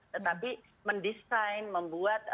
tetapi mendesain membuat